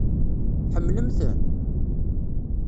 Tḥemmlem-ten?